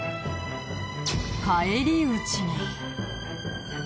返り討ちに。